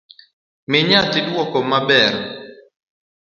Mi nyathi duoko maber